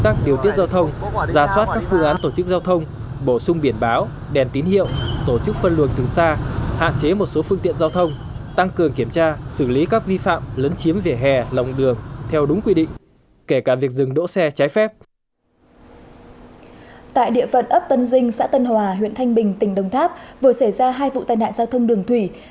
tại địa phận ấp tân dinh xã tân hòa huyện thanh bình tỉnh đồng tháp vừa xảy ra hai vụ tai nạn giao thông đường thủy làm thiệt hại khoảng hai trăm linh triệu đồng